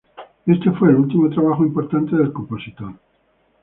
Ese fue el último trabajo importante del compositor.